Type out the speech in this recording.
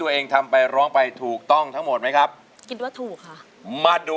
ร้องได้โต๊ะใจโต๊ะใจโต๊ะใจ